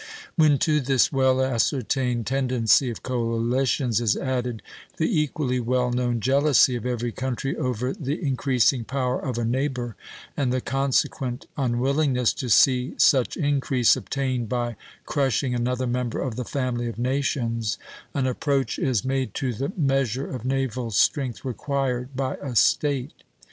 " When to this well ascertained tendency of coalitions is added the equally well known jealousy of every country over the increasing power of a neighbor, and the consequent unwillingness to see such increase obtained by crushing another member of the family of nations, an approach is made to the measure of naval strength required by a State.